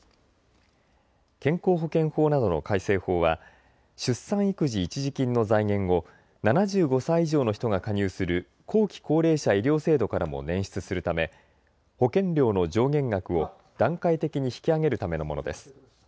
健康保険法などの改正法は出産育児一時金の財源を７５歳以上の人が加入する後期高齢者医療制度からも捻出するため保険料の上限額を段階的に引き上げるためのものです。